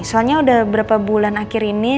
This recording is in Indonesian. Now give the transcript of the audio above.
soalnya udah berapa bulan akhir ini